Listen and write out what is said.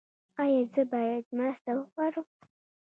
ایا زه باید مرسته وغواړم؟